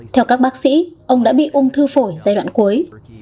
theo các bác sĩ ông đã bị ung thư phổi giai đoạn cuối